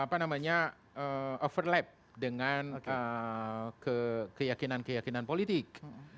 apa namanya overlap dengan keyakinan keyakinan politik